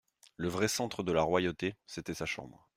Le vrai centre de la royauté, c'était sa chambre.